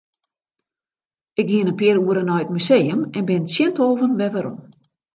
Ik gean in pear oeren nei it museum en bin tsjin tolven wer werom.